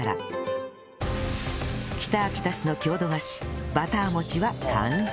北秋田市の郷土菓子バター餅は完成